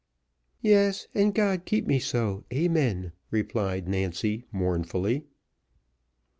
"Yes, and God keep me so, amen," replied Nancy mournfully.